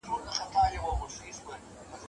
موږ څنګه ډېري مڼې راوړو؟